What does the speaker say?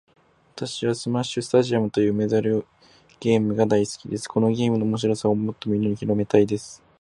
私はスマッシュスタジアムというメダルゲームが大好きです。このゲームの面白さをもっとみんなに広めたいです。